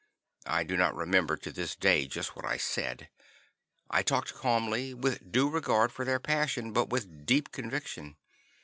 I do not remember to this day just what I said. I talked calmly, with due regard for their passion, but with deep conviction.